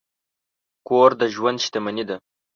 کور د ژوند شتمني ده.